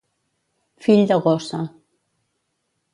Fill de gossa.